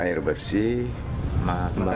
air bersih sembako